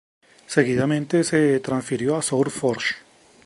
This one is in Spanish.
Seguidamente, se transfirió a SourceForge.